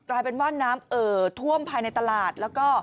กลายเป็นว่าน้ำเอ่อท่วมภายในตลาดแล้วก็